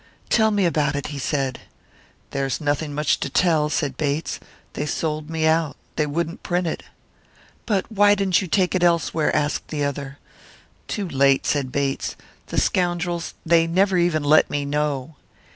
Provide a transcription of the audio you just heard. "Tell me about it," he said. "There's nothing much to tell," said Bates. "They sold me out. They wouldn't print it." "But why didn't you take it elsewhere?" asked the other. "Too late," said Bates; "the scoundrels they never even let me know!"